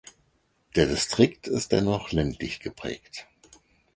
Der Distrikt ist dennoch ländlich geprägt.